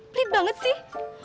pelit banget sih